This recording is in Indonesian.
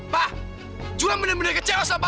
pa juan bener bener kecewa sama papa